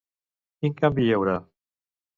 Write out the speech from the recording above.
Quin canvi hi haurà?